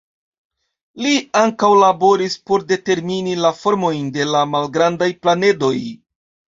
Li ankaŭ laboris por determini la formojn de la malgrandaj planedoj.